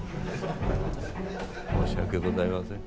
申し訳ございません。